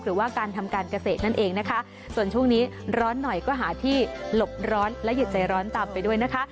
หรือว่าการทำการเกษตรนั่นเองนะคะส่วนช่วงนี้ร้อนหน่อยก็หาที่หลบร้อนและหยุดใจร้อนตามไปด้วยนะคะ